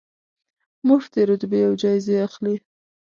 مفتې رتبې او جایزې اخلي.